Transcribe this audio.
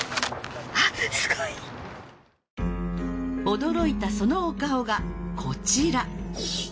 驚いたそのお顔がこちら。